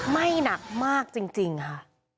ไหม้หนักมากจริงค่ะ